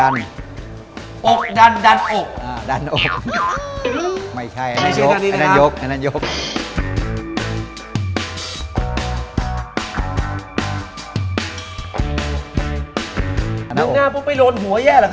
น้องหน้าพวกไม่โดนหัวแย่หรอครับเนี่ย